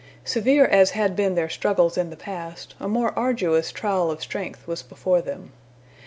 Severe as had been their struggles in the past, a more arduous trial of strength was before them.